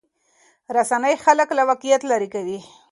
رسنۍ خلک له واقعیت لرې کوي.